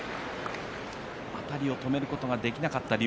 あたりを止めることができなかった竜